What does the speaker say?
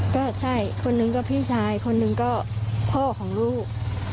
ก็ใช่คนหนึ่งก็พี่ชายคนหนึ่งก็พ่อของลูก